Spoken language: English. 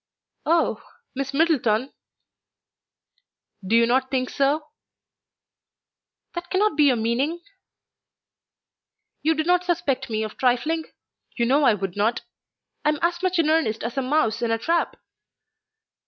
"Oh! Miss Middleton!" "Do you not think so?" "That cannot be your meaning." "You do not suspect me of trifling? You know I would not. I am as much in earnest as a mouse in a trap."